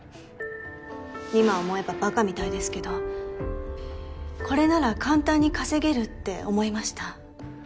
今思えば馬鹿みたいですけどこれなら簡単に稼げるって思いました。